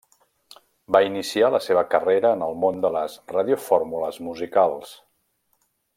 Va iniciar la seva carrera en el món de les radiofórmules musicals.